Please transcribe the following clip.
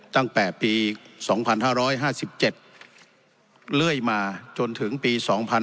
ตั้งแต่ปี๒๕๕๗เรื่อยมาจนถึงปี๒๕๕๙